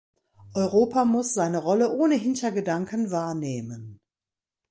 Europa muss seine Rolle ohne Hintergedanken wahrnehmen.